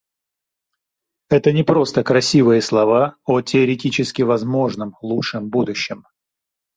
Это не просто красивые слова о теоретически возможном лучшем будущем.